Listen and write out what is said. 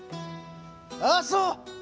あっそう！